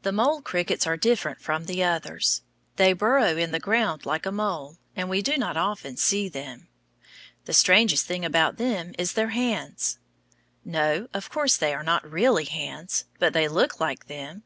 The mole crickets are different from the others. They burrow in the ground like a mole, and we do not often see them. The strangest thing about them is their hands. No, of course they are not really hands, but they look like them.